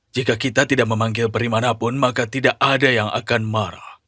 jika kita tidak memanggil peri manapun maka tidak ada yang akan marah